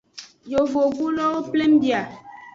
Yovogbulowo pleng bia.